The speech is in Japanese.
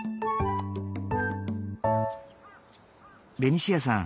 ベニシアさん